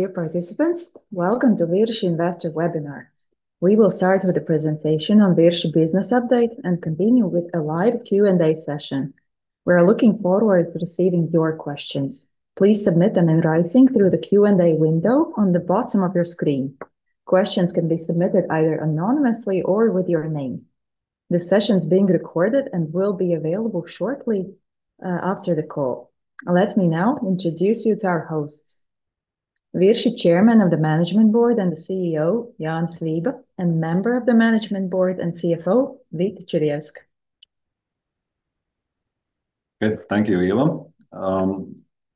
Dear participants, welcome to Virši Investor Webinar. We will start with the presentation on Virši business update and continue with a live Q&A session. We are looking forward to receiving your questions. Please submit them in writing through the Q&A window on the bottom of your screen. Questions can be submitted either anonymously or with your name. This session is being recorded and will be available shortly after the call. Let me now introduce you to our hosts. Virši Chairman of the Management Board and the CEO, Jānis Liepa, and Member of the Management Board and CFO, Vita Čirjevska. Good. Thank you, Ieva.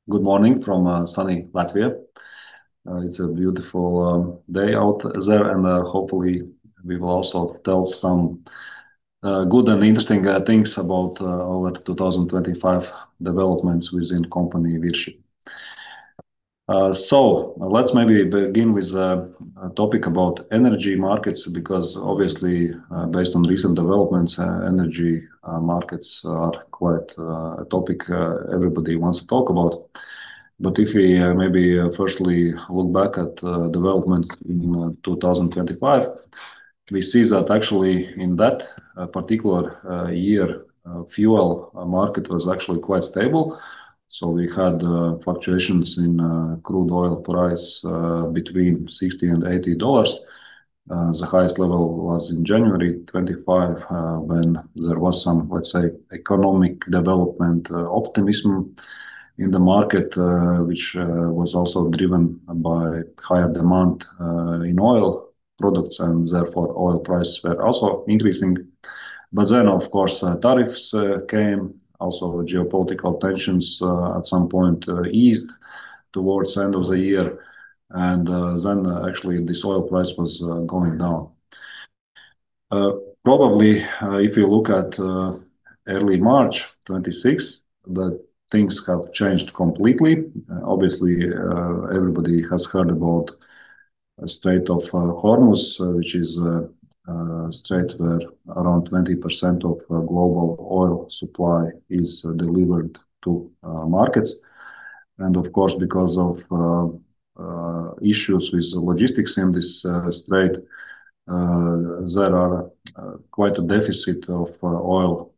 Good morning from sunny Latvia. It's a beautiful day out there, and hopefully, we will also tell some good and interesting things about our 2025 developments within company Virši. Let's maybe begin with a topic about energy markets because obviously, based on recent developments, energy markets are quite a topic everybody wants to talk about. If we, maybe, firstly look back at development in 2025, we see that actually in that particular year, fuel market was actually quite stable. We had fluctuations in crude oil price between $60 and $80. The highest level was in January 2025, when there was some, let's say, economic development, optimism in the market, which was also driven by higher demand, in oil products, and therefore, oil prices were also increasing. Of course, tariffs came, also geopolitical tensions, at some point, eased towards end of the year and, then actually this oil price was going down. Probably, if you look at, early March 2026, the things have changed completely. Obviously, everybody has heard about Strait of Hormuz, which is a strait where around 20% of global oil supply is delivered to markets. Of course, because of issues with logistics in this strait, there are quite a deficit of oil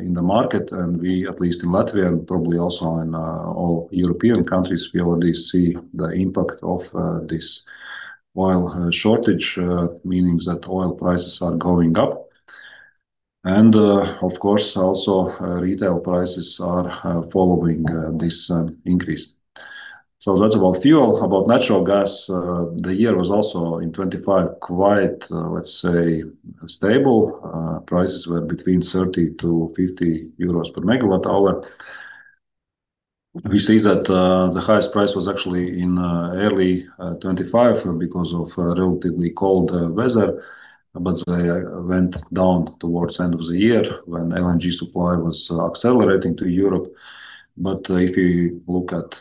in the market. We, at least in Latvia and probably also in all European countries, we already see the impact of this oil shortage, meaning that oil prices are going up. Of course, also retail prices are following this increase. That's about fuel. About natural gas, the year was also in 25 quite, let's say, stable. Prices were between 30-50 euros per megawatt hour. We see that the highest price was actually in early 25 because of relatively cold weather, but they went down towards end of the year when LNG supply was accelerating to Europe. If you look at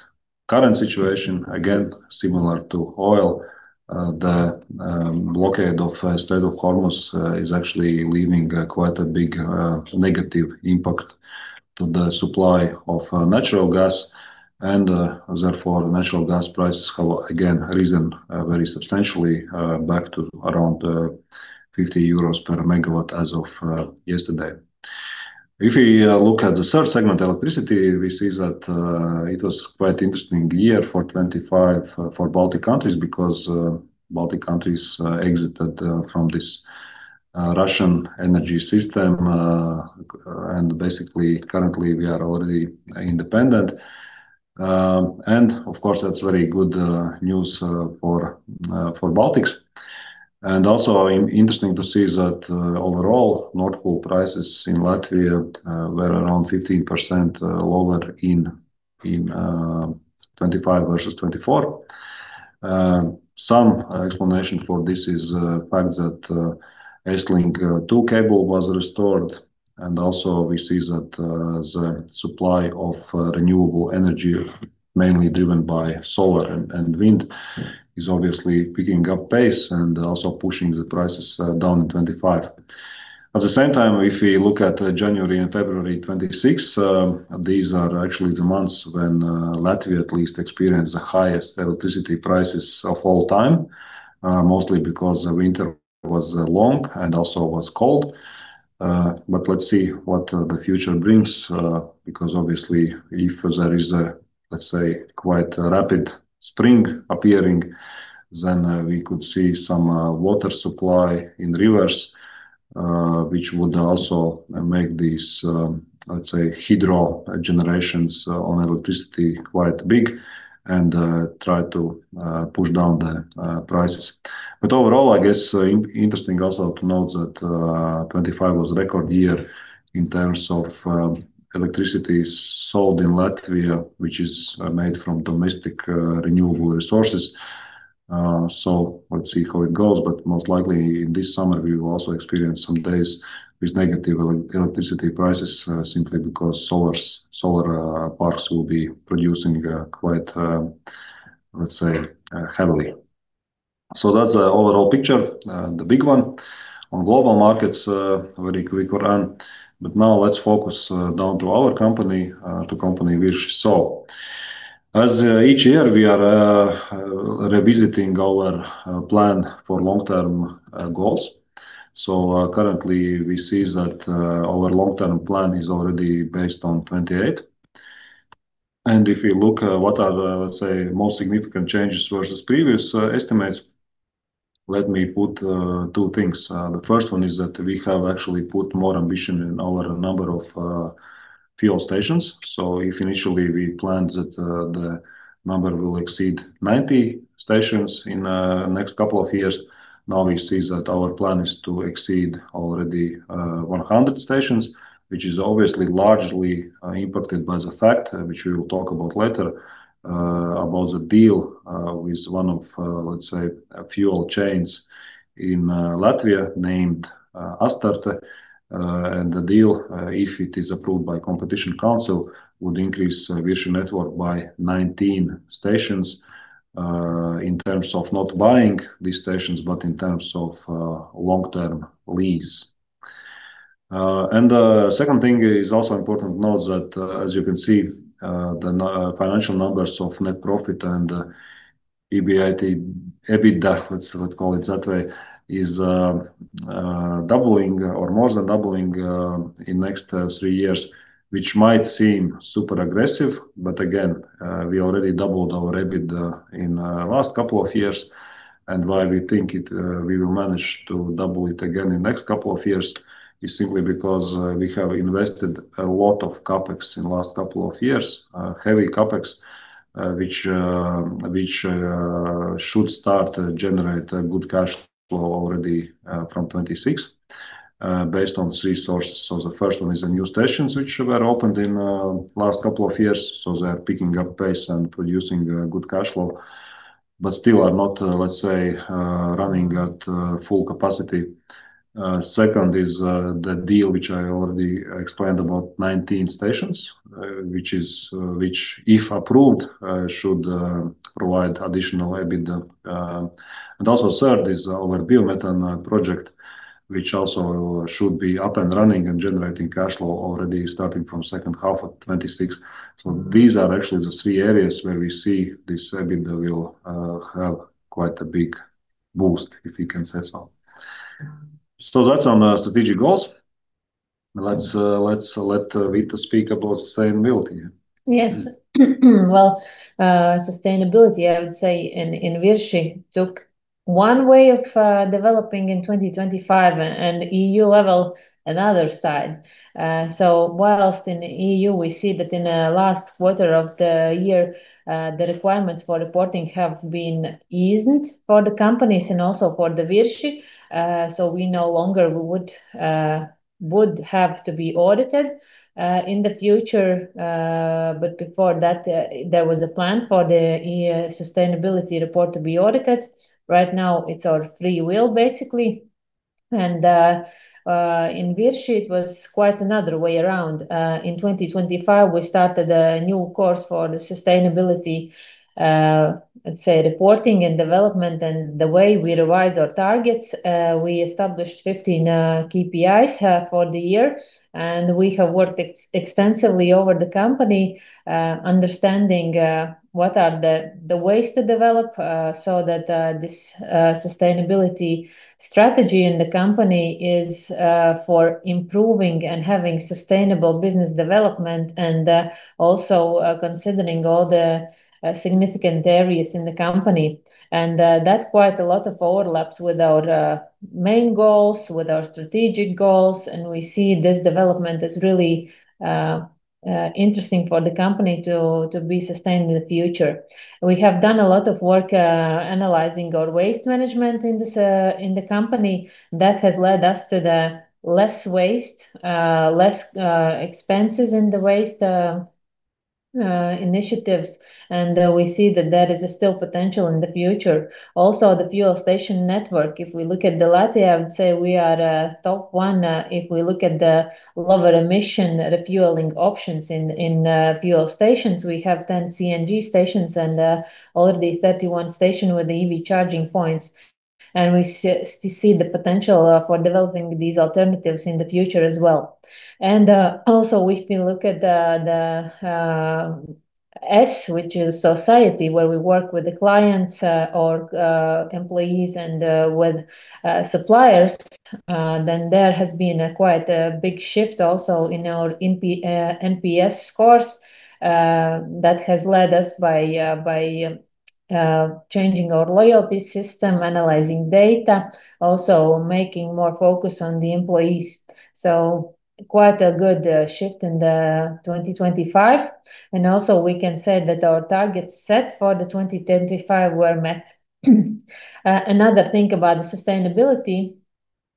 current situation, again, similar to oil, the blockade of Strait of Hormuz is actually leaving quite a big negative impact to the supply of natural gas. Therefore, natural gas prices have again risen very substantially back to around 50 euros per megawatt as of yesterday. If we look at the third segment, electricity, we see that it was quite interesting year for 2025 for Baltic countries because Baltic countries exited from this Russian energy system. Basically, currently, we are already independent. Of course, that's very good news for for Baltics. Also interesting to see that overall, Nord Pool prices in Latvia were around 15% lower in 2025 versus 2024. Some explanation for this is fact that Estlink 2 cable was restored. Also we see that the supply of renewable energy, mainly driven by solar and wind, is obviously picking up pace and also pushing the prices down in 2025. At the same time, if we look at January and February 2026, these are actually the months when Latvia at least experienced the highest electricity prices of all time, mostly because the winter was long and also was cold. Let's see what the future brings, because obviously, if there is a, let's say, quite rapid spring appearing, then we could see some water supply in rivers, which would also make these, let's say, hydro generations on electricity quite big and try to push down the prices. Overall, I guess interesting also to note that 2025 was a record year in terms of electricity sold in Latvia, which is made from domestic renewable resources. Let's see how it goes. Most likely, in this summer, we will also experience some days with negative electricity prices, simply because solar parks will be producing quite, let's say, heavily. That's the overall picture, the big one on global markets, very quick run. Now let's focus down to our company, to company Virši. As each year we are revisiting our plan for long-term goals. Currently we see that our long-term plan is already based on 2028. If you look, what are the, let's say, most significant changes versus previous estimates, let me put two things. The first one is that we have actually put more ambition in our number of fuel stations. If initially we planned that the number will exceed 90 stations in next couple of years. Now we see that our plan is to exceed already 100 stations, which is obviously largely impacted by the fact which we will talk about later, about the deal with one of, let's say, a fuel chains in Latvia named Astarte-Nafta. The deal, if it is approved by Competition Council, would increase Virši network by 19 stations in terms of not buying these stations, but in terms of long-term lease. The second thing is also important to note that, as you can see, the financial numbers of net profit and EBITDA, let's call it that way, is doubling or more than doubling in next three years, which might seem super aggressive. Again, we already doubled our EBIT in last couple of years. Why we think it, we will manage to double it again in next couple of years is simply because we have invested a lot of CapEx in last couple of years. Heavy CapEx, which should start to generate a good cash flow already from 2026, based on three sources. The first one is the new stations which were opened in last couple of years. They're picking up pace and producing good cash flow, but still are not, let's say, running at full capacity. Second is the deal which I already explained about 19 stations, which is, which if approved, should provide additional EBIT. And also third is our biomethane project, which also should be up and running and generating cash flow already starting from second half of 2026. These are actually the three areas where we see this EBIT will have quite a big boost, if you can say so. That's on our strategic goals. Let's let Vita speak about sustainability, yeah. Yes. Well, sustainability, I would say in Virši took one way of developing in 2025 and EU level another side. Whilst in the EU we see that in the last quarter of the year, the requirements for reporting have been eased for the companies and also for Virši. We no longer would have to be audited in the future. Before that, there was a plan for the EU sustainability report to be audited. Right now it's our free will basically. In Virši it was quite another way around. In 2025, we started a new course for the sustainability, let's say reporting and development and the way we revise our targets. We established 15 KPIs for the year, we have worked extensively over the company, understanding what are the ways to develop so that this sustainability strategy in the company is for improving and having sustainable business development and also considering all the significant areas in the company. That quite a lot of overlaps with our main goals, with our strategic goals. We see this development is really interesting for the company to be sustained in the future. We have done a lot of work analyzing our waste management in this in the company. That has led us to the less waste, less expenses in the waste initiatives. We see that there is still potential in the future. Also, the fuel station network, if we look at Latvia, I would say we are the top one, if we look at the lower emission refueling options in fuel stations. We have 10 CNG stations and already 31 station with EV charging points. And we see the potential for developing these alternatives in the future as well. Also, if we look at the S which is society where we work with the clients or employees and with suppliers, then there has been quite a big shift also in our NPS scores that has led us by changing our loyalty system, analyzing data, also making more focus on the employees. So quite a good shift in 2025. Also we can say that our targets set for the 2025 were met. Another thing about the sustainability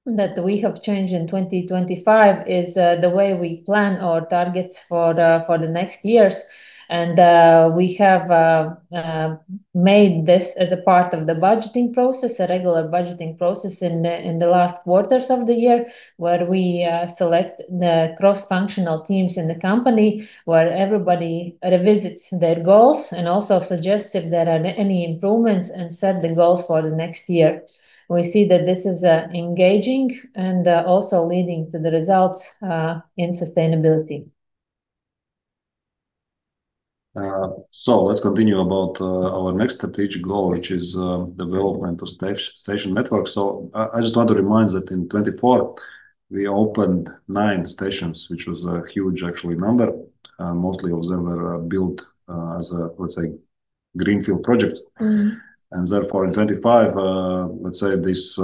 that we have changed in 2025 is the way we plan our targets for the next years. We have Made this as a part of the budgeting process, a regular budgeting process in the last quarters of the year, where we select the cross-functional teams in the company, where everybody revisits their goals and also suggests if there are any improvements, and set the goals for the next year. We see that this is engaging and also leading to the results in sustainability. Let's continue about our next strategic goal, which is development of station network. I just want to remind that in 2024 we opened nine stations, which was a huge actually number. Mostly all of them were built as a, let's say, greenfield project. Mm. In 2025, let's say this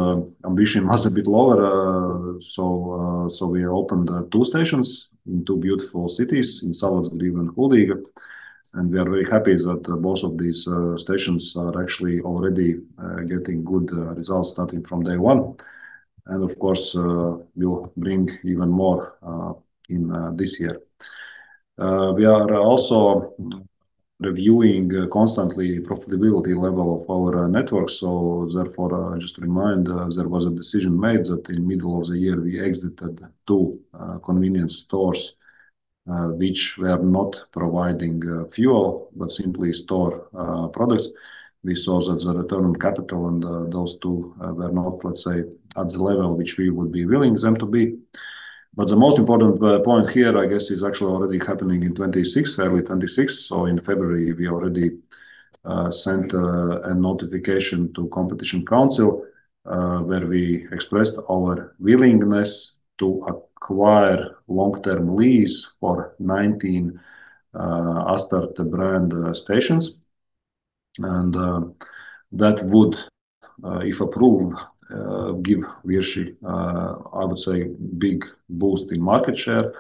ambition was a bit lower. We opened two stations in two beautiful cities, in Salacgrīva and Kuiķuļi, and we are very happy that both of these stations are actually already getting good results starting from day one. We'll bring even more in this year. We are also reviewing constantly profitability level of our network. Just to remind, there was a decision made that in middle of the year we exited two convenience stores which were not providing fuel, but simply store products. We saw that the return on capital on those two were not, let's say, at the level which we would be willing them to be. The most important point here, I guess, is actually already happening in 2026, early 2026. In February we already sent a notification to Competition Council where we expressed our willingness to acquire long-term lease for 19 Astarte-Nafta brand stations. That would, if approved, give Virši, I would say, big boost in market share.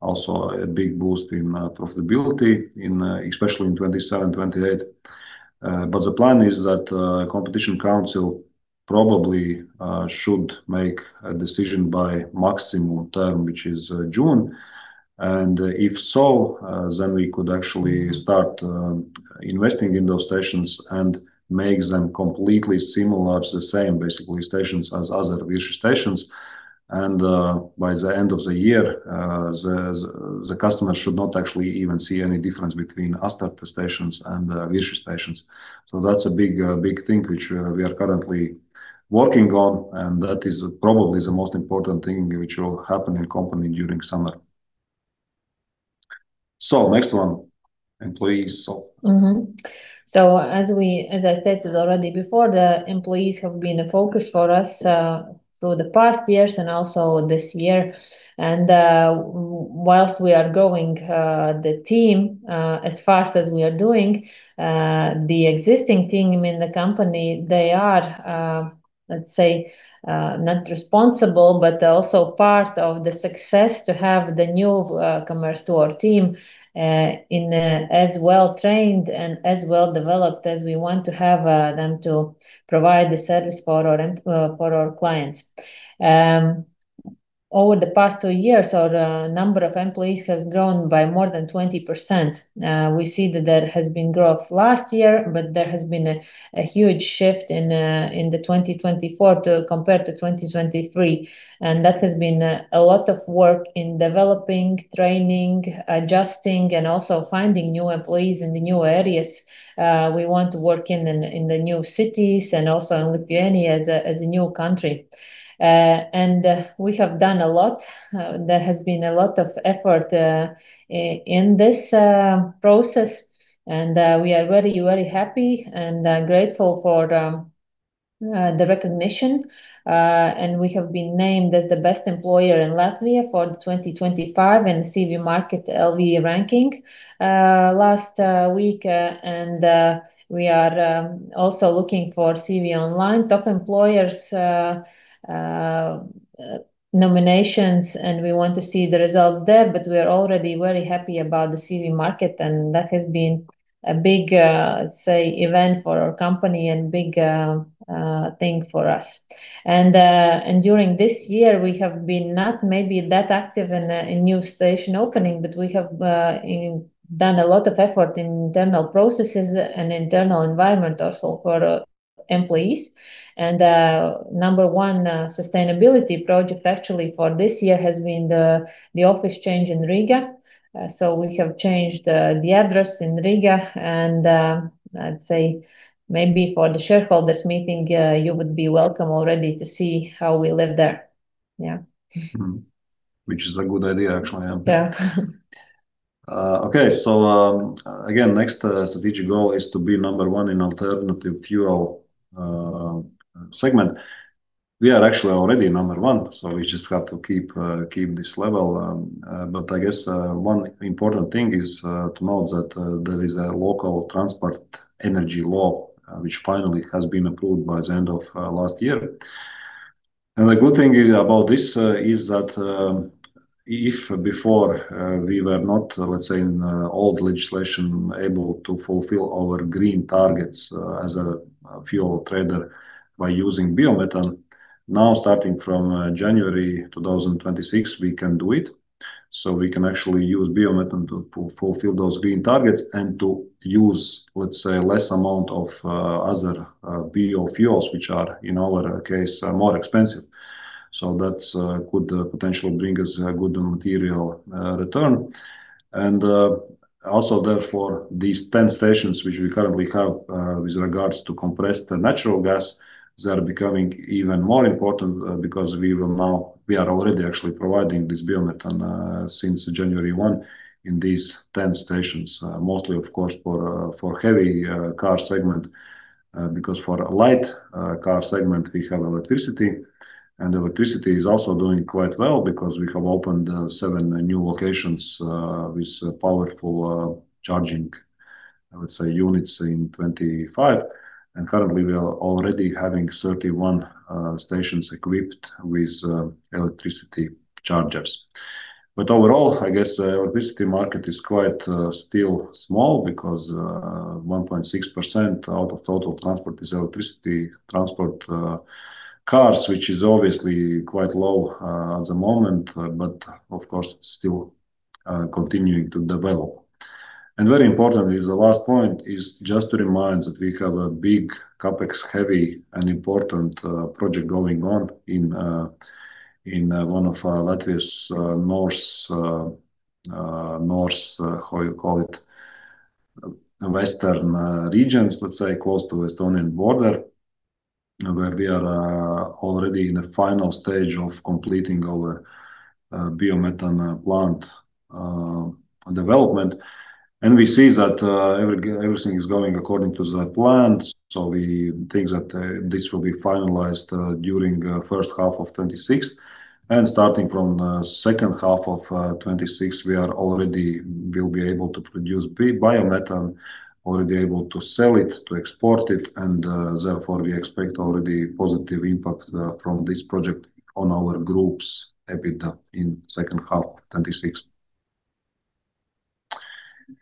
Also a big boost in profitability in especially in 2027, 2028. The plan is that Competition Council probably should make a decision by maximum term, which is June. If so, we could actually start investing in those stations and make them completely similar to the same basically stations as other Virši stations. By the end of the year, the customers should not actually even see any difference between Astarte-Nafta stations and Virši stations. That's a big, big thing which we are currently working on, and that is probably the most important thing which will happen in company during summer. Next one, employees. As I stated already before, the employees have been a focus for us through the past years and also this year. Whilst we are growing the team as fast as we are doing, the existing team in the company, they are, let's say, not responsible, but also part of the success to have the new commerce to our team in as well trained and as well developed as we want to have them to provide the service for our clients. Over the past two years, our number of employees has grown by more than 20%. We see that there has been growth last year, but there has been a huge shift in 2024 compared to 2023. That has been a lot of work in developing, training, adjusting, and also finding new employees in the new areas. We want to work in the new cities and also in Lithuania as a new country. We have done a lot. There has been a lot of effort in this process. We are very, very happy and grateful for the recognition. We have been named as the best employer in Latvia for the 2025 in CVMarket.lv ranking last week. We are also looking for CV-Online Top Employers nominations, and we want to see the results there. We are already very happy about the CV market, and that has been a big, say event for our company and big, thing for us. During this year we have been not maybe that active in new station opening, but we have done a lot of effort in internal processes and internal environment also for employees. Number one sustainability project actually for this year has been the office change in Riga. We have changed the address in Riga and let's say maybe for the shareholders meeting, you would be welcome already to see how we live there. Yeah. Which is a good idea actually. Yeah. Okay. Again, next strategic goal is to be number 1 in alternative fuel segment. We are actually already number one, so we just have to keep this level. I guess one important thing is to note that there is a local Transport Energy Law, which finally has been approved by the end of last year. The good thing is about this is that if before we were not, let's say, in old legislation able to fulfill our green targets as a fuel trader by using biomethane. Now starting from January 2026, we can do it. We can actually use biomethane to fulfill those green targets and to use, let's say, less amount of other biofuels, which are, in our case, are more expensive. That's could potentially bring us a good material return. Also therefore, these 10 stations which we currently have with regards to compressed natural gas, they are becoming even more important because we are already actually providing this biomethane since January 1 in these 10 stations. Mostly of course for heavy car segment because for light car segment we have electricity. Electricity is also doing quite well because we have opened seven new locations with powerful charging, I would say, units in 25. Currently we are already having 31 stations equipped with electricity chargers. Overall, I guess the electricity market is quite still small because 1.6% out of total transport is electricity transport cars, which is obviously quite low at the moment, of course still continuing to develop. Very importantly is the last point is just to remind that we have a big CapEx-heavy and important project going on in one of our Latvia's northwestern regions, let's say close to Estonian border, where we are already in the final stage of completing our biomethane plant development. We see that everything is going according to the plan. We think that this will be finalized during first half of 2026. Starting from second half of 2026, we are already will be able to produce biomethane, already able to sell it, to export it, and therefore, we expect already positive impact from this project on our groups, EBITDA in second half 2026.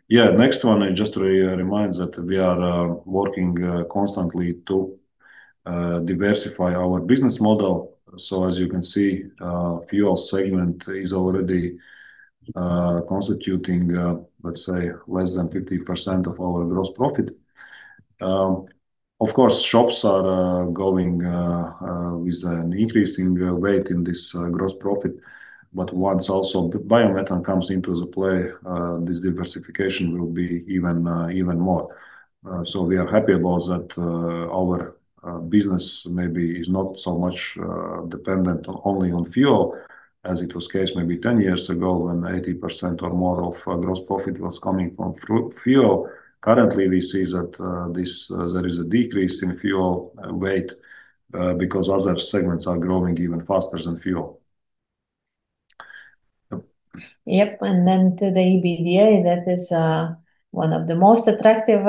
Yeah. Next one is just to remind that we are working constantly to diversify our business model. As you can see, fuel segment is already constituting, let's say less than 50% of our gross profit. Of course, shops are going with an increasing weight in this gross profit. Once also biomethane comes into the play, this diversification will be even even more. We are happy about that. Our business maybe is not so much dependent only on fuel as it was case maybe 10 years ago when 80% or more of gross profit was coming from fuel. Currently, we see that this there is a decrease in fuel weight because other segments are growing even faster than fuel. Yep. Yep. To the EBITDA, that is one of the most attractive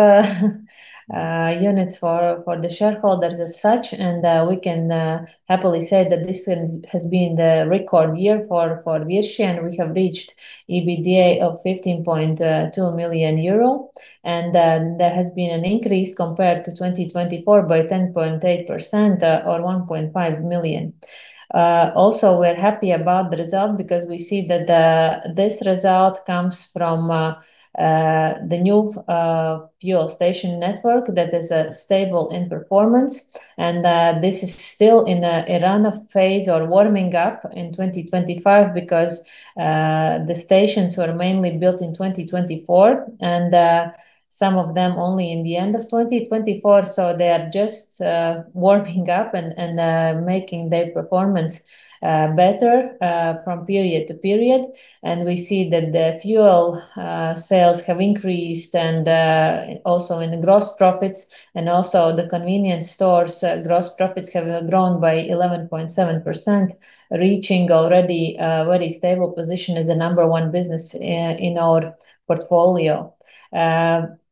units for the shareholders as such. We can happily say that this has been the record year for Virši, and we have reached EBITDA of 15.2 million euro. There has been an increase compared to 2024 by 10.8%, or 1.5 million. Also we're happy about the result because we see that this result comes from the new fuel station network that is stable in performance. This is still in a run-up phase or warming up in 2025 because the stations were mainly built in 2024 and some of them only in the end of 2024. they are just warming up and making their performance better from period to period. we see that the fuel sales have increased and also in the gross profits, and also the convenience stores gross profits have grown by 11.7%, reaching already a very stable position as the number one business in our portfolio.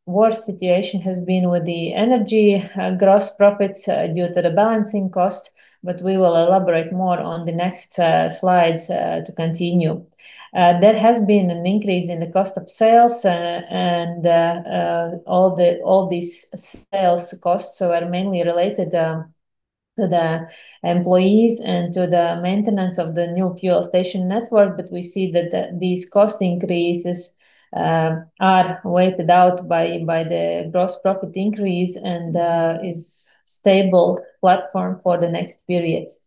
worse situation has been with the energy gross profits due to the balancing costs, but we will elaborate more on the next slides to continue. there has been an increase in the cost of sales, and all these sales costs are mainly related to the employees and to the maintenance of the new fuel station network. We see that these cost increases are weighted out by the gross profit increase and is stable platform for the next periods.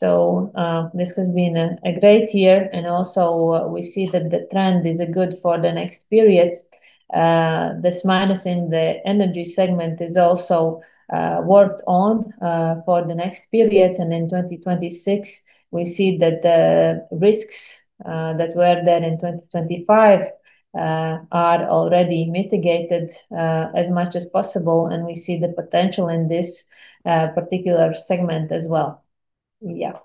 This has been a great year, and also we see that the trend is good for the next periods. This minus in the energy segment is also worked on for the next periods. In 2026, we see that the risks that were there in 2025 are already mitigated as much as possible, and we see the potential in this particular segment as well. Yeah.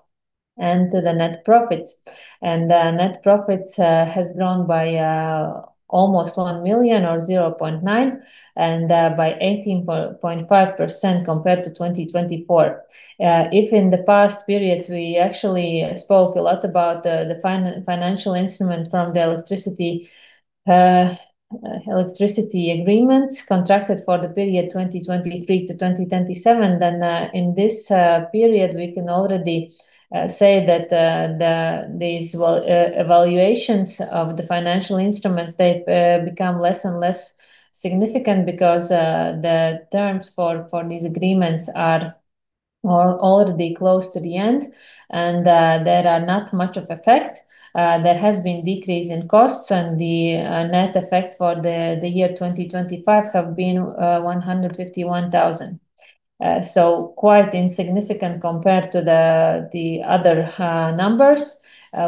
To the net profits. The net profits has grown by almost 1 million or 0.9, and by 18.5% compared to 2024. If in the past periods, we actually spoke a lot about the financial instrument from the electricity agreements contracted for the period 2023 to 2027, in this period, we can already say that these evaluations of the financial instruments, they've become less and less significant because the terms for these agreements are already close to the end, and there are not much of effect. There has been decrease in costs and the net effect for the year 2025 have been 151,000. Quite insignificant compared to the other numbers.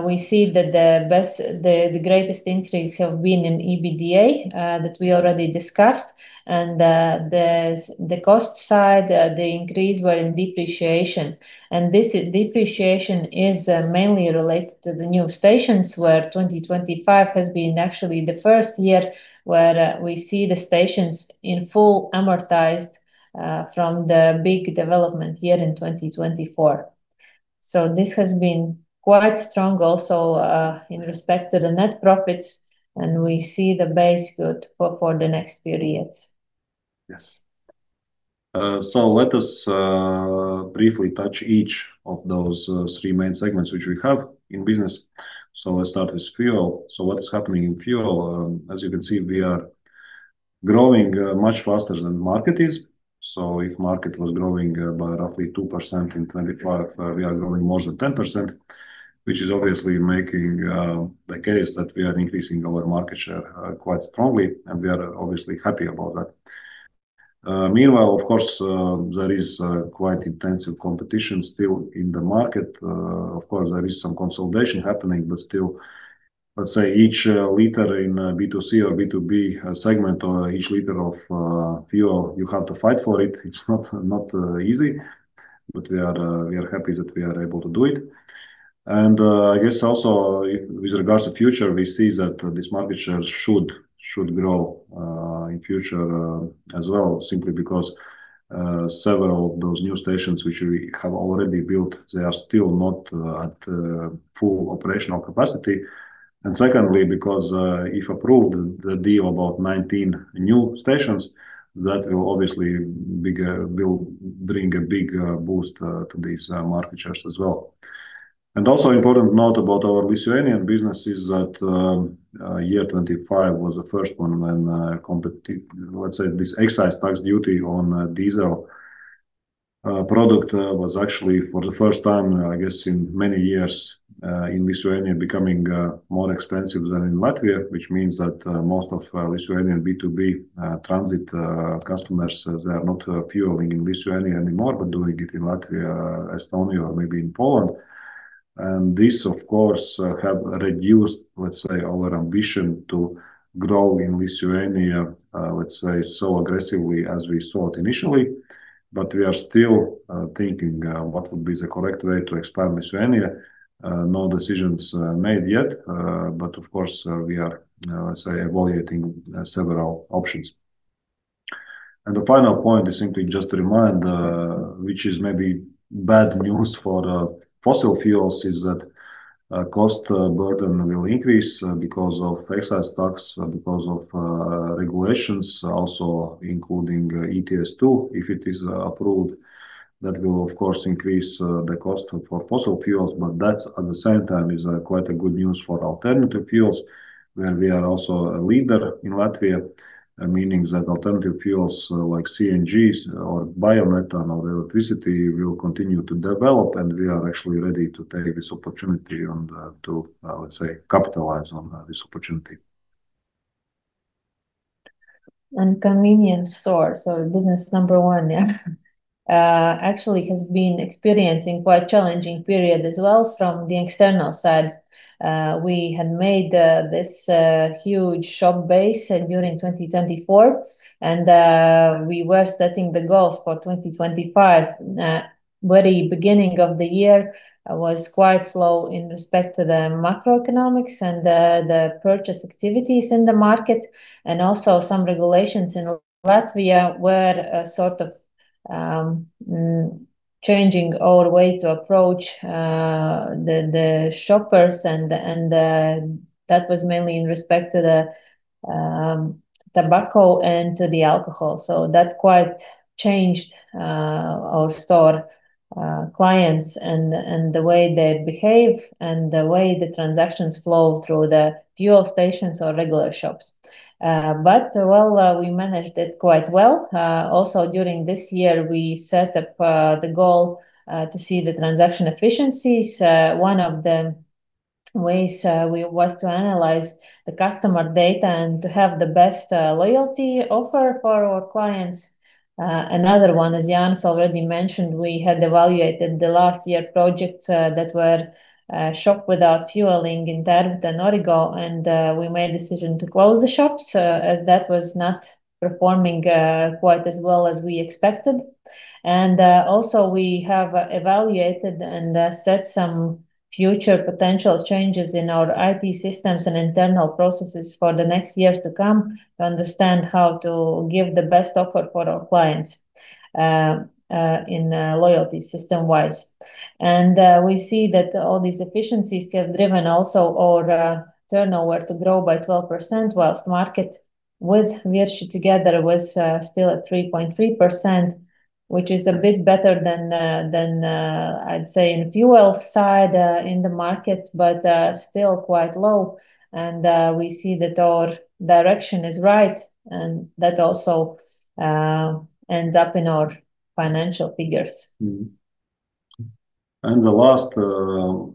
We see that the greatest increase have been in EBITDA that we already discussed. There's the cost side, the increase were in depreciation. This depreciation is mainly related to the new stations where 2025 has been actually the first year where we see the stations in full amortized from the big development year in 2024. This has been quite strong also in respect to the net profits, and we see the base good for the next periods. Yes. Let us briefly touch each of those three main segments which we have in business. Let's start with fuel. What is happening in fuel? As you can see, we are growing much faster than the market is. If market was growing by roughly 2% in 25, we are growing more than 10%, which is obviously making the case that we are increasing our market share quite strongly, and we are obviously happy about that. Meanwhile, of course, there is quite intensive competition still in the market. Of course, there is some consolidation happening, but still, let's say, each liter in B2C or B2B segment or each liter of fuel, you have to fight for it. It's not easy, but we are happy that we are able to do it. I guess also with regards to future, we see that this market share should grow in future as well, simply because several of those new stations which we have already built, they are still not at full operational capacity. Secondly, because if approved, the deal about 19 new stations, that will obviously will bring a big boost to these market shares as well. Also important note about our Lithuanian business is that year 25 was the first one when, let's say this excise tax duty on diesel product was actually for the first time, I guess in many years, in Lithuania becoming more expensive than in Latvia, which means that most of Lithuanian B2B transit customers, they are not fueling in Lithuania anymore, but doing it in Latvia, Estonia, or maybe in Poland. This, of course, have reduced, let's say, our ambition to grow in Lithuania, let's say, so aggressively as we thought initially. We are still thinking what would be the correct way to expand Lithuania. No decisions made yet, but of course, we are let's say evaluating several options. The final point is simply just to remind, which is maybe bad news for the fossil fuels, is that cost burden will increase because of excise tax, because of regulations also including ETS2. If it is approved, that will, of course, increase the cost for fossil fuels, but that at the same time is quite a good news for alternative fuels, where we are also a leader in Latvia, meaning that alternative fuels like CNG or biomethane or electricity will continue to develop, and we are actually ready to take this opportunity and to, let's say, capitalize on this opportunity. Convenience stores or business number one, yeah, actually has been experiencing quite challenging period as well from the external side. We had made this huge shop base during 2024, and we were setting the goals for 2025. Very beginning of the year was quite slow in respect to the macroeconomics and the purchase activities in the market, and also some regulations in Latvia were sort of changing our way to approach the shoppers and that was mainly in respect to the tobacco and to the alcohol. That quite changed our store clients and the way they behave and the way the transactions flow through the fuel stations or regular shops. But, well, we managed it quite well. Also during this year, we set up the goal to see the transaction efficiencies. One of the ways was to analyze the customer data and to have the best loyalty offer for our clients. Another one, as Jānis already mentioned, we had evaluated the last year projects that were shop without fueling in Tērvete Norigo. We made decision to close the shops as that was not performing quite as well as we expected. Also we have evaluated and set some future potential changes in our IT systems and internal processes for the next years to come to understand how to give the best offer for our clients in loyalty system-wise. We see that all these efficiencies have driven also our turnover to grow by 12%, whilst market with Virši together was still at 3.3%, which is a bit better than I'd say in fuel side, in the market, but still quite low. We see that our direction is right, and that also ends up in our financial figures. The last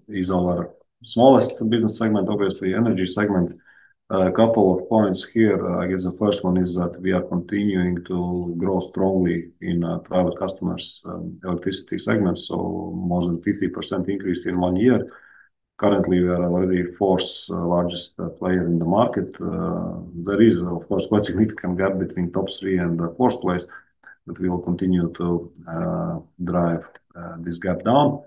is our smallest business segment, obviously, energy segment. A couple of points here. I guess the first one is that we are continuing to grow strongly in private customers' electricity segment, so more than 50% increase in one year. Currently, we are already fourth largest player in the market. There is of course quite significant gap between top three and the fourth place, but we will continue to drive this gap down.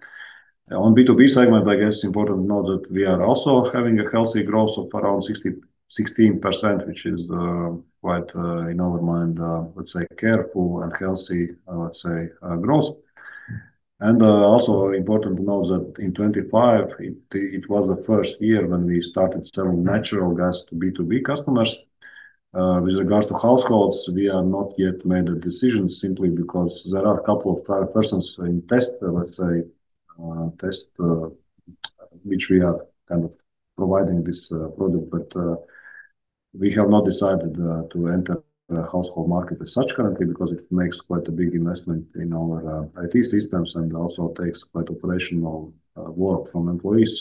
On B2B segment, I guess it's important to know that we are also having a healthy growth of around 60-16%, which is quite in our mind, let's say careful and healthy, let's say, growth. Also important to know that in 2025, it was the first year when we started selling natural gas to B2B customers. With regards to households, we have not yet made a decision simply because there are a couple of persons in test, let's say, test, which we are kind of providing this product, but we have not decided to enter the household market as such currently because it makes quite a big investment in our IT systems and also takes quite operational work from employees.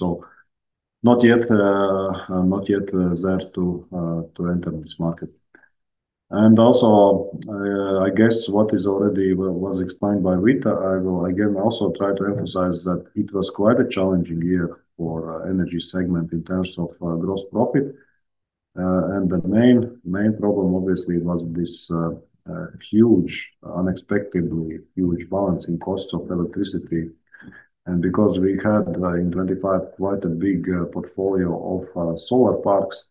Not yet, not yet there to enter this market. Also, I guess what is already was explained by Vita, I will again also try to emphasize that it was quite a challenging year for energy segment in terms of gross profit. The main problem obviously was this huge, unexpectedly huge balance in costs of electricity. Because we had in 2025, quite a big portfolio of solar parks,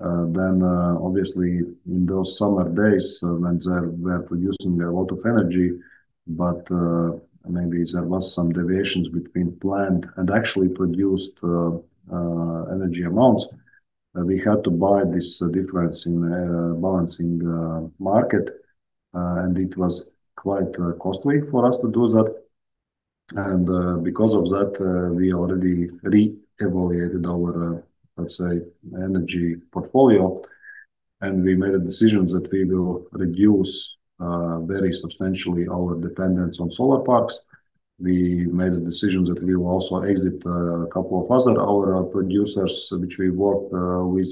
then obviously in those summer days, when we're producing a lot of energy, but maybe there was some deviations between planned and actually produced energy amounts, we had to buy this difference in balancing market. It was quite costly for us to do that. Because of that, we already re-evaluated our, let's say energy portfolio, and we made a decision that we will reduce very substantially our dependence on solar parks. We made a decision that we will also exit a couple of other our producers which we work with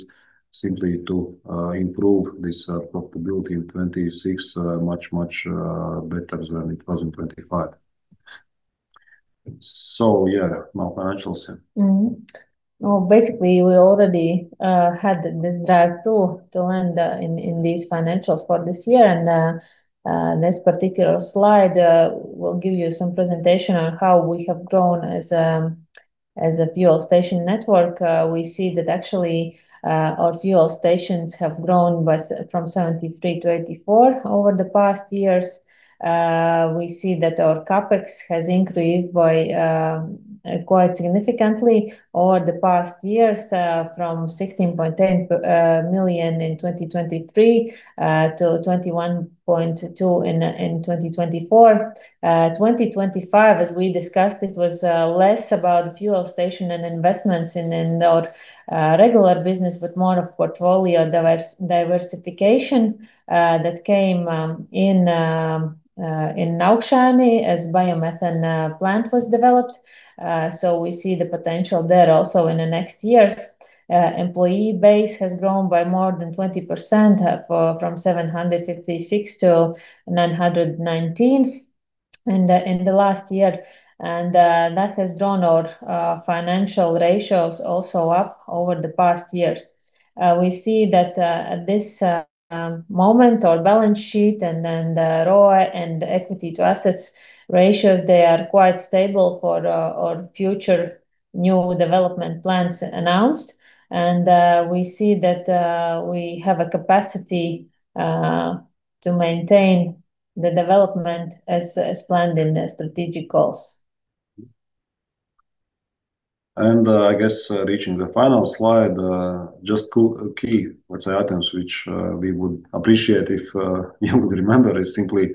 simply to improve this profitability in 2026, much, much better than it was in 2025. Yeah, now financials. Well, basically we already had this drive through to land in these financials for this year. This particular slide will give you some presentation on how we have grown as a fuel station network. We see that actually our fuel stations have grown by from 73 to 84 over the past years. We see that our CapEx has increased by quite significantly over the past years, from 16.8 million in 2023, to 21.2 million in 2024. 2025, as we discussed, it was less about fuel station and investments in our regular business, but more of portfolio diversification that came in Naujene as biomethane plant was developed. We see the potential there also in the next years. Employee base has grown by more than 20%, for from 756 to 919 in the last year. That has drawn our financial ratios also up over the past years. We see that, at this moment, our balance sheet and then the ROA and equity to assets ratios, they are quite stable for our future new development plans announced. We see that, we have a capacity to maintain the development as planned in the strategic goals. I guess, reaching the final slide, just key, let's say items which we would appreciate if you would remember is simply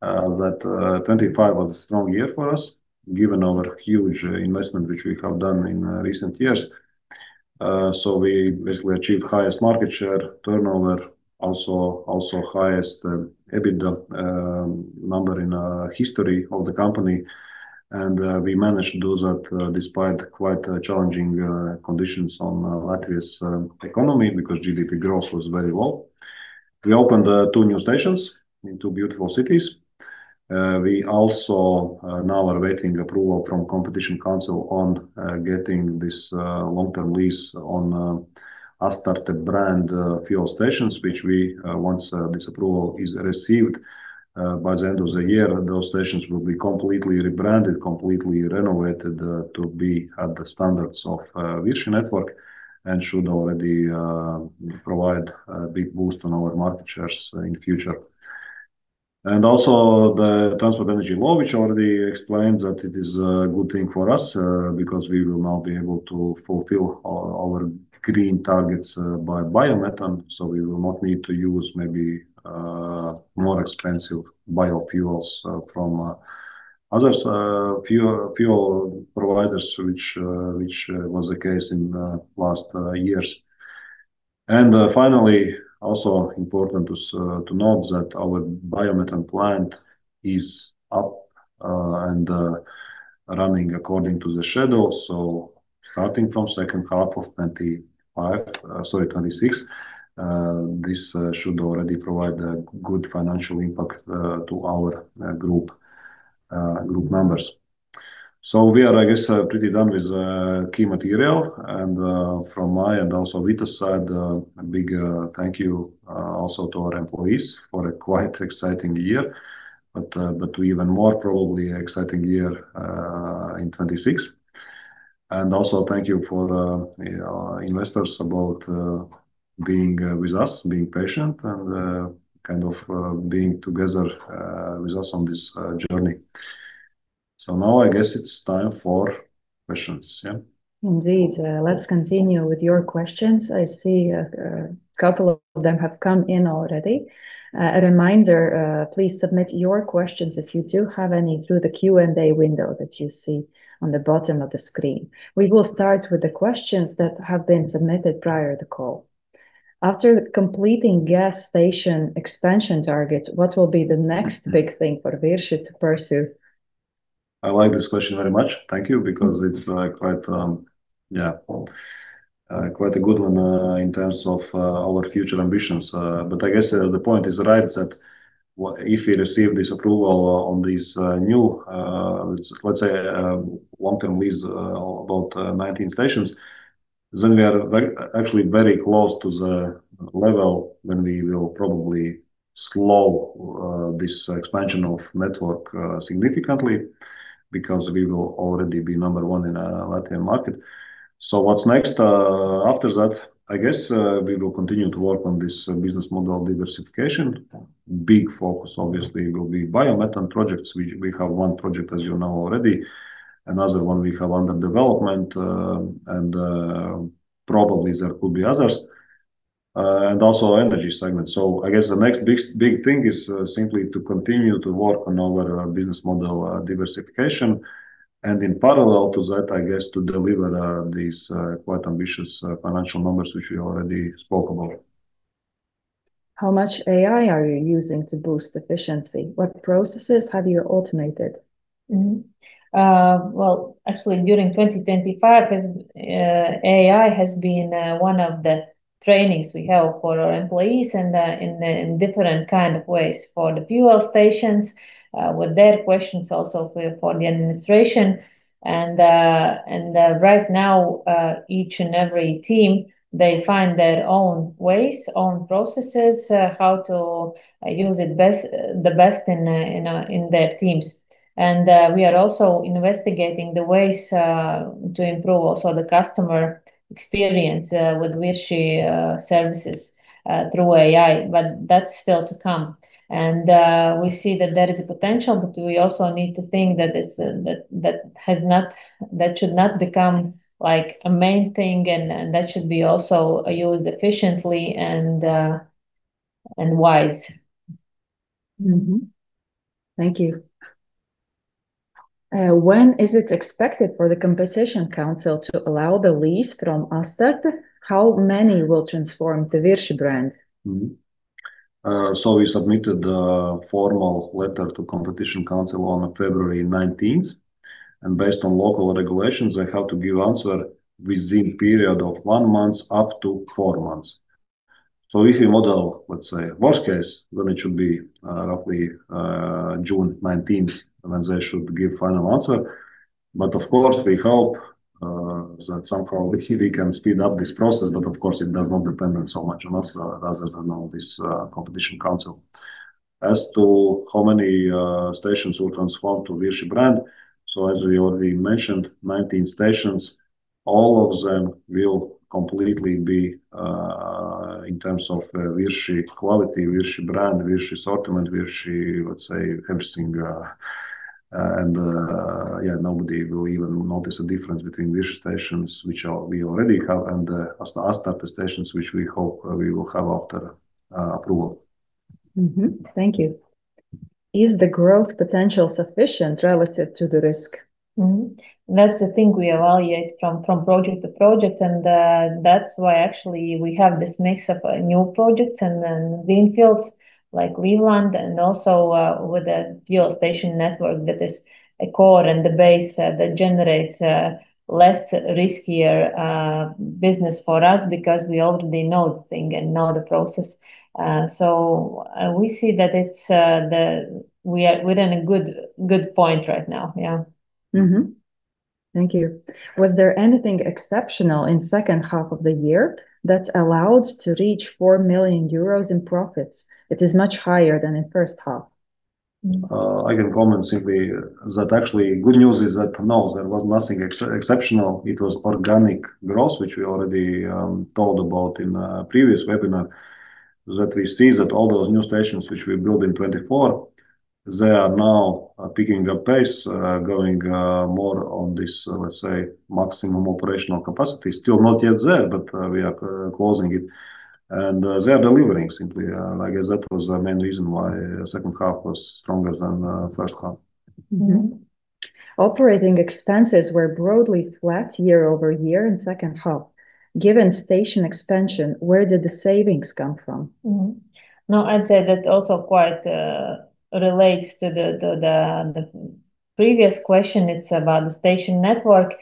that 2025 was a strong year for us, given our huge investment which we have done in recent years. So we basically achieved highest market share, turnover, also highest EBITDA, number in history of the company. We managed to do that despite quite challenging conditions on Latvia's economy because GDP growth was very low. We opened two new stations in two beautiful cities. We also now are awaiting approval from Competition Council on getting this long-term lease on Astarte-Nafta brand fuel stations, which we once this approval is received, by the end of the year, those stations will be completely rebranded, completely renovated, to be at the standards of Virši network and should already provide a big boost on our market shares in future. The Transport Energy Law, which already explained that it is a good thing for us, because we will now be able to fulfill our green targets by biomethane. We will not need to use maybe more expensive biofuels from Others, few providers which was the case in last years. Finally, also important is to note that our biomethane plant is up and running according to the schedule. Starting from second half of 2025, sorry, 2026, this should already provide a good financial impact to our group members. We are, I guess, pretty done with key material, and from my and also Vitas' side, a big thank you also to our employees for a quite exciting year. To even more probably exciting year in 2026. Also thank you for, you know, investors about being with us, being patient and kind of being together with us on this journey. Now I guess it's time for questions, yeah? Indeed. Let's continue with your questions. I see a couple of them have come in already. A reminder, please submit your questions if you do have any through the Q&A window that you see on the bottom of the screen. We will start with the questions that have been submitted prior to call. After completing gas station expansion targets, what will be the next big thing for Virši to pursue? I like this question very much, thank you, because it's quite a good one in terms of our future ambitions. But I guess the point is right, that if we receive this approval on these new, let's say, long-term lease, about 19 stations, then we are actually very close to the level when we will probably slow this expansion of network significantly because we will already be number one in Latvian market. What's next after that? I guess we will continue to work on this business model diversification. Big focus obviously will be biomethane projects. We have 1 project as you know already. Another one we have under development. Probably there could be others. Also energy segment. I guess the next big thing is simply to continue to work on our business model, diversification, and in parallel to that, I guess to deliver these quite ambitious financial numbers which we already spoke about. How much AI are you using to boost efficiency? What processes have you automated? Mm-hmm. Well, actually during 2025 has AI has been one of the trainings we have for our employees and in different kind of ways for the fuel stations with their questions also for the administration. Right now each and every team, they find their own ways, own processes, how to use it best, the best in in their teams. We are also investigating the ways to improve also the customer experience with Virši services through AI, but that's still to come. We see that there is a potential, but we also need to think that this that that has not that should not become like a main thing and that should be also used efficiently and wise. Thank you. When is it expected for the Competition Council to allow the lease from Astarte-Nafta? How many will transform to Virši brand? We submitted a formal letter to Competition Council on February 19th. Based on local regulations, they have to give answer within period of one month up to four months. If you model, let's say, worst case, then it should be roughly June 19th when they should give final answer. Of course, we hope that somehow we can speed up this process, but of course it does not depend on so much on us rather than on this Competition Council. As to how many stations will transform to Virši brand, so as we already mentioned, 19 stations, all of them will completely be in terms of Virši quality, Virši brand, Virši assortment, Virši, let's say, everything. Yeah, nobody will even notice a difference between Virši stations, which are, we already have and Astarte-Nafta stations, which we hope we will have after approval. Mm-hmm. Thank you. Is the growth potential sufficient relative to the risk? Mm-hmm. That's the thing we evaluate from project to project, and that's why actually we have this mix of new projects and then wind farms like Windland and also with the fuel station network that is a core and the base that generates less riskier business for us because we already know the thing and know the process. We see that it's, we are within a good point right now. Yeah. Mm-hmm. Thank you. Was there anything exceptional in second half of the year that's allowed to reach 4 million euros in profits? It is much higher than in first half. I can comment simply that actually good news is that no, there was nothing exceptional. It was organic growth, which we already talked about in a previous webinar, that we see that all those new stations which we built in 2024, they are now picking up pace, going more on this, let's say, maximum operational capacity. Still not yet there, but we are closing it. They are delivering simply, I guess that was the main reason why second half was stronger than first half. Mm-hmm. Operating expenses were broadly flat year-over-year in second half. Given station expansion, where did the savings come from? I'd say that also quite relates to the previous question. It's about the station network.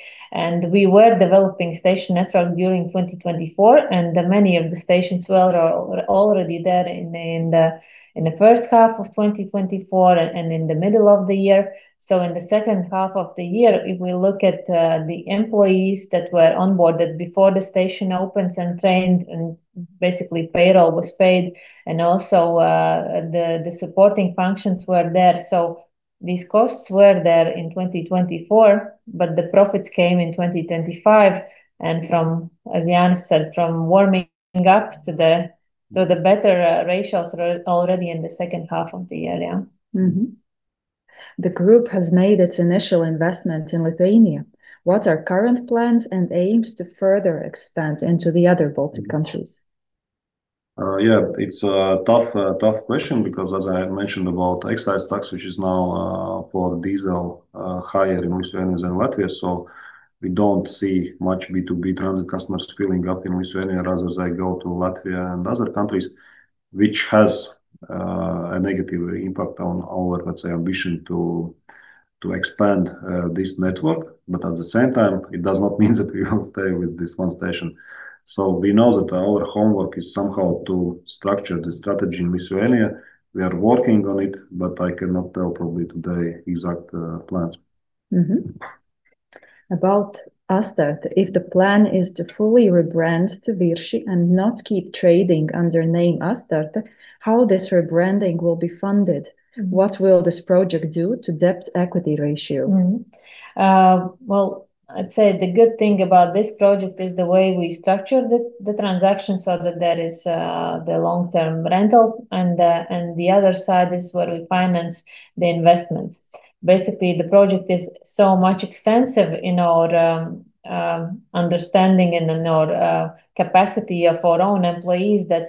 We were developing station network during 2024. Many of the stations were already there in the first half of 2024 and in the middle of the year. In the second half of the year, if we look at the employees that were onboarded before the station opens and trained. Basically payroll was paid. Also, the supporting functions were there. These costs were there in 2024. The profits came in 2025, and from, as Jānis said, from warming up to the better ratios already in the second half of the year. Yeah. Mm-hmm. The group has made its initial investment in Lithuania. What are current plans and aims to further expand into the other Baltic countries? It's a tough question because as I mentioned about excise tax, which is now, for diesel, higher in Lithuania than Latvia. We don't see much B2B transit customers filling up in Lithuania. Rather they go to Latvia and other countries, which has a negative impact on our, let's say, ambition to expand, this network. At the same time, it does not mean that we won't stay with this one station. We know that our homework is somehow to structure the strategy in Lithuania. We are working on it, but I cannot tell probably today exact plans. Mm-hmm. About Astarte-Nafta, if the plan is to fully rebrand to Virši and not keep trading under name Astarte-Nafta, how this rebranding will be funded? What will this project do to debt-equity ratio? Well, I'd say the good thing about this project is the way we structured the transaction so that there is the long-term rental and the other side is where we finance the investments. Basically, the project is so much extensive in our understanding and in our capacity of our own employees that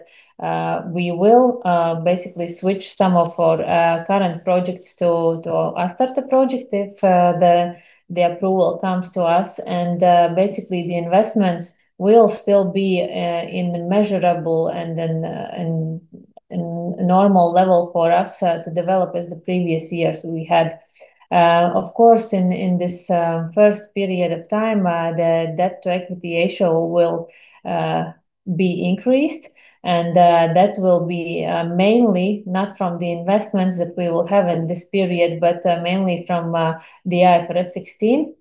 we will basically switch some of our current projects to Astarte-Nafta project if the approval comes to us, and basically the investments will still be in measurable and then in normal level for us to develop as the previous years we had. Of course, in this, first period of time, the debt to equity ratio will be increased, and that will be mainly not from the investments that we will have in this period, but mainly from the IFRS 16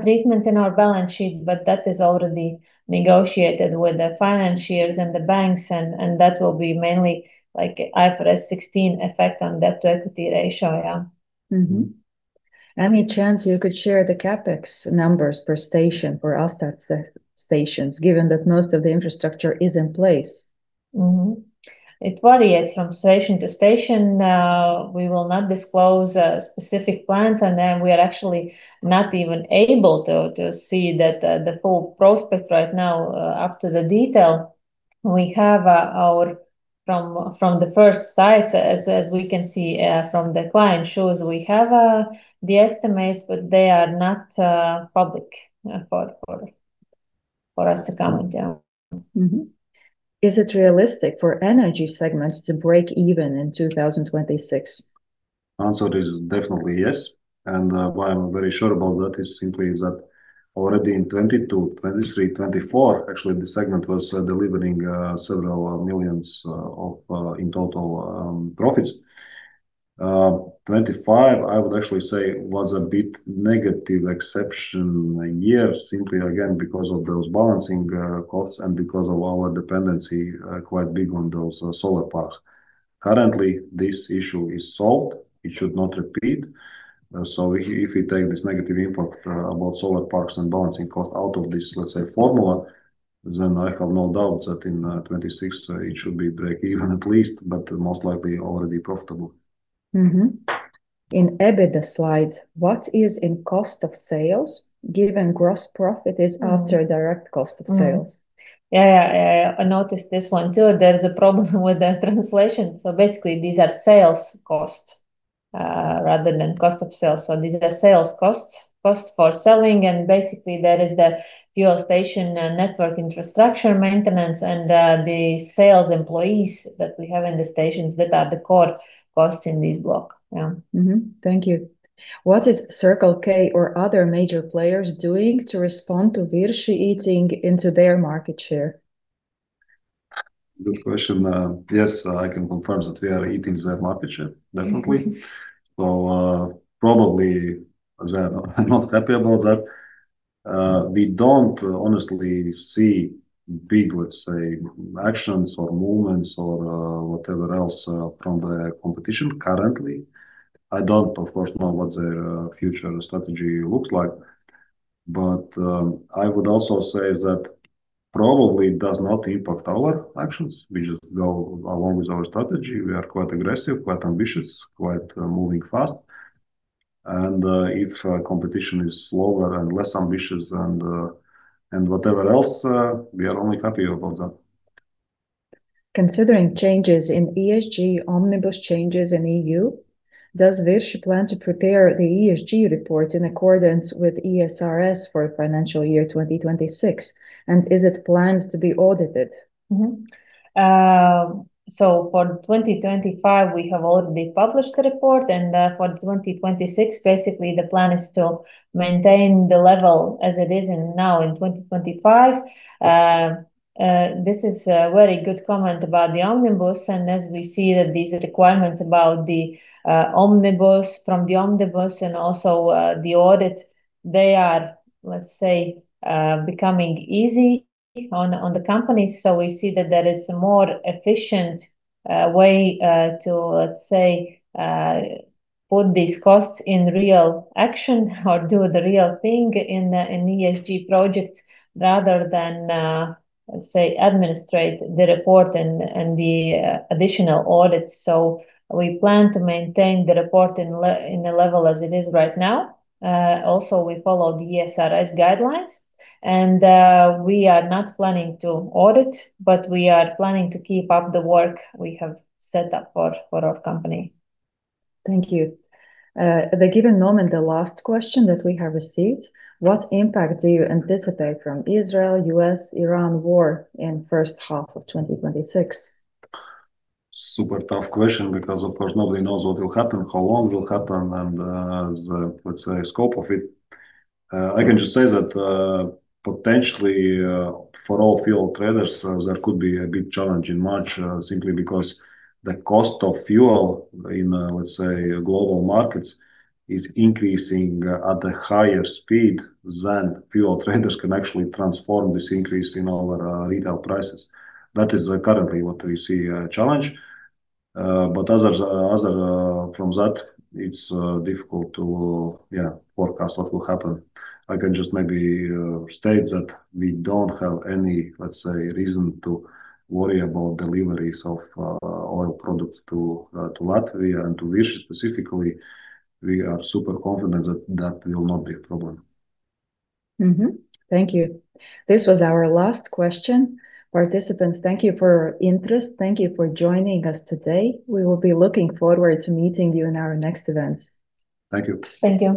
treatment in our balance sheet. That is already negotiated with the financiers and the banks and that will be mainly like IFRS 16 effect on debt to equity ratio. Yeah. Mm-hmm. Any chance you could share the CapEx numbers per station for Astarte-Nafta stations, given that most of the infrastructure is in place? It varies from station to station. We will not disclose specific plans, and then we are actually not even able to see the full prospect right now up to the detail. We have from the first sites, as we can see from the client shows, we have the estimates, but they are not public for us to comment. Yeah. Mm-hmm. Is it realistic for energy segments to break even in 2026? Answer is definitely yes. Why I'm very sure about that is simply is that already in 2022, 2023, 2024, actually this segment was delivering several million of in total profits. 2025, I would actually say was a bit negative exception year, simply again, because of those balancing costs and because of our dependency quite big on those solar parks. Currently, this issue is solved. It should not repeat. If you take this negative impact about solar parks and balancing cost out of this, let's say, formula, then I have no doubt that in 2026, it should be break even at least, but most likely already profitable. In EBITDA slides, what is in cost of sales, given gross profit is after direct cost of sales? Yeah. I noticed this one too. There's a problem with the translation. Basically, these are sales costs, rather than cost of sales. These are sales costs for selling. Basically, that is the fuel station and network infrastructure maintenance and the sales employees that we have in the stations that are the core costs in this block. Yeah. Mm-hmm. Thank you. What is Circle K or other major players doing to respond to Virši eating into their market share? Good question. Yes, I can confirm that we are eating their market share, definitely. Probably they are not happy about that. We don't honestly see big, let's say, actions or movements or whatever else from the competition currently. I don't, of course, know what their future strategy looks like. I would also say that probably it does not impact our actions. We just go along with our strategy. We are quite aggressive, quite ambitious, quite moving fast. If competition is slower and less ambitious and whatever else, we are only happy about that. Considering changes in ESG Omnibus changes in EU, does Virši plan to prepare the ESG report in accordance with ESRS for financial year 2026, and is it planned to be audited? For 2025, we have already published the report. For 2026, basically the plan is to maintain the level as it is now in 2025. This is a very good comment about the Omnibus, as we see that these requirements about the Omnibus from the Omnibus and also the audit, they are, let's say, becoming easy on the company. We see that there is a more efficient way to, let's say, put these costs in real action or do the real thing in ESG projects rather than, let's say, administrate the report and the additional audits. We plan to maintain the report in the level as it is right now. Also we follow the ESRS guidelines, and we are not planning to audit, but we are planning to keep up the work we have set up for our company. Thank you. The given moment, the last question that we have received: What impact do you anticipate from Israel-US-Iran war in first half of 2026? Super tough question because of course nobody knows what will happen, how long it will happen, and, the, let's say, scope of it. I can just say that, potentially, for all fuel traders, there could be a big challenge in March, simply because the cost of fuel in, let's say, global markets is increasing, at a higher speed than fuel traders can actually transform this increase in our, retail prices. That is currently what we see, a challenge. Other, from that, it's difficult to, yeah, forecast what will happen. I can just maybe, state that we don't have any, let's say, reason to worry about deliveries of, oil products to Latvia and to Virši specifically. We are super confident that that will not be a problem. Thank you. This was our last question. Participants, thank you for your interest. Thank you for joining us today. We will be looking forward to meeting you in our next events. Thank you. Thank you.